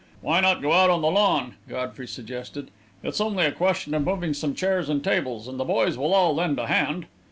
"Why not go out on the lawn?" Godfrey suggested. "It's only a question of moving some chairs and tables, and the boys will all lend a hand."